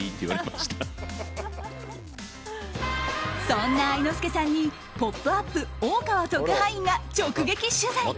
そんな愛之助さんに「ポップＵＰ！」大川特派員が直撃取材。